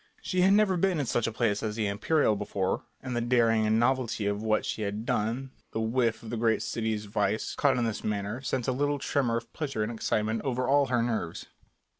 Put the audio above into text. She had never been in such a place as the Imperial before, and the daring and novelty of what she had done, the whiff of the great city's vice caught in this manner, sent a little tremor of pleasure and excitement over all her nerves.